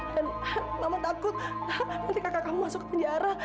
dan mama takut nanti kakak kamu masuk penjara